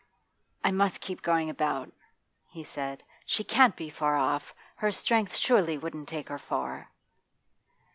'I must keep going about,' he said. 'She can't be far off; her strength, surely, wouldn't take her far.